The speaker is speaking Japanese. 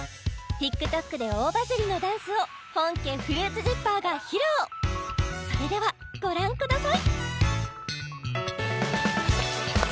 ＴｉｋＴｏｋで大バズりのダンスを本家ＦＲＵＩＴＳＺＩＰＰＥＲが披露それではご覧ください